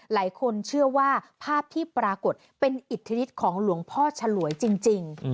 หลายคนเชื่อว่าภาพที่ปรากฏเป็นอิทธิฤทธิของหลวงพ่อฉลวยจริง